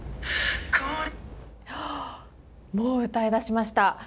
もう歌い出しました。